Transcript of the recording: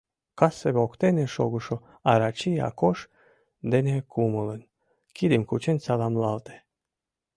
Кассе воктене шогышо Арачи Акош дене кумылын, кидым кучен саламлалте.